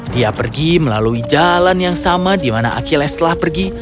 dia pergi melalui jalan yang sama di mana achilles telah pergi